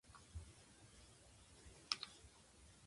光陰矢のごとし